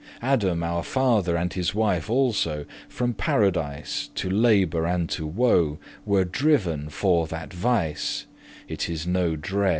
Adam our father, and his wife also, From Paradise, to labour and to woe, Were driven for that vice, it is no dread.